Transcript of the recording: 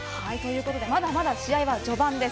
まだまだ試合は序盤です。